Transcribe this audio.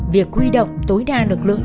việc huy động tối đa lực lượng